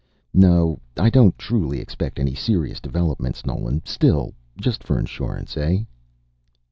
No, I don't truly expect any serious developments, Nolan. Still just for insurance eh?"